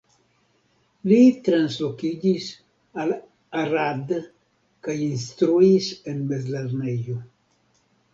Li translokiĝis al Arad kaj instruis en mezlernejo.